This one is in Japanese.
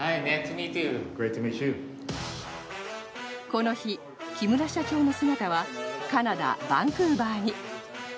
この日、木村社長の姿はカナダ・バンクーバーに。